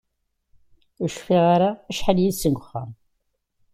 Ur cfiɣ ara acḥal yid-sen deg uxxam.